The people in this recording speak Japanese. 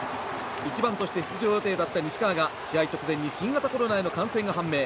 １番として出場予定だった西川が試合直前に新型コロナへの感染が判明。